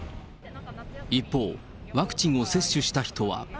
一方、ワクチンを接種した人は。